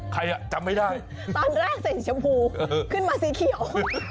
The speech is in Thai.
ใครอ่ะจำไม่ได้ตอนแรกใส่ชมพูขึ้นมาสีเขียว